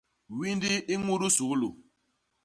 Windi i ñudu suglu.